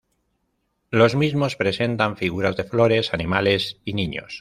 Los mismos presentan figuras de flores, animales y niños.